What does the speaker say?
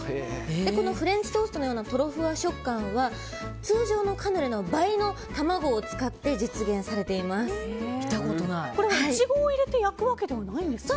このフレンチトーストのようなトロフワ食感は通常のカヌレの倍の卵を使ってイチゴを入れてそうなんです。